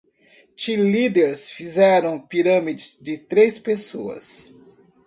Cheerleaders fizeram pirâmides de três pessoas.